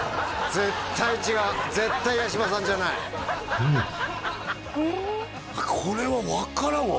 絶対違う絶対八嶋さんじゃないうんこれは分からんわ